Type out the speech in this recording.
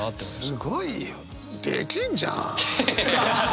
すごいよ。できんじゃん。